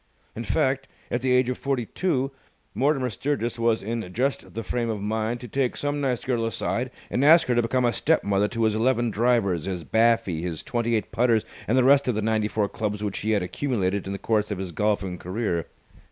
In fact, at the age of forty two, Mortimer Sturgis was in just the frame of mind to take some nice girl aside and ask her to become a step mother to his eleven drivers, his baffy, his twenty eight putters, and the rest of the ninety four clubs which he had accumulated in the course of his golfing career.